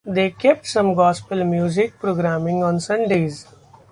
They kept some Gospel music programming on Sundays.